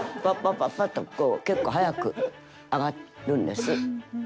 パッパッとこう結構早く上がるんです。